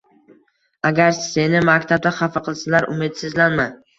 • Agar seni maktabda xafa qilsalar, umidsizlanma.